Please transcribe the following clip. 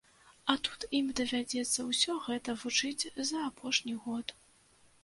А тут ім давядзецца ўсё гэта вучыць за апошні год.